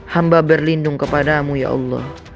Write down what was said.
hamba berlindung kepadamu ya allah